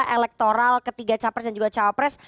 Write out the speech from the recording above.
elektoral ketiga capres dan juga cawapres